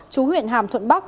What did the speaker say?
chú huyện hàm thuận bắc